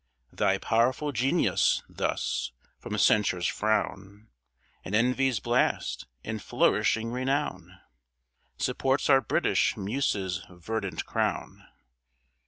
Thy pow'rful Genius thus, from Censure's Frown And Envy's Blast, in Flourishing Renown, Supports our British Muses Verdant Crown.